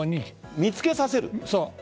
見つけさせる。